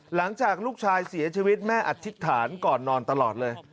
หลังจากลูกชายเสียชีวิตแม่อธิษฐานก่อนนอนตลอดเลย